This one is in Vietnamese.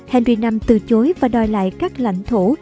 henry v từ chối và đòi lại các lãnh thổ